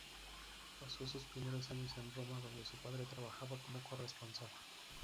Pasó sus primeros años en Roma, donde su padre trabajaba como corresponsal.